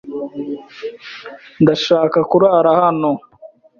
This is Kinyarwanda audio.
Ndashaka kurara hano.